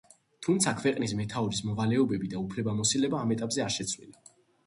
თუმცა ქვეყნის მეთაურის მოვალეობები და უფლებამოსილება ამ ეტაპზე არ შეცვლილა.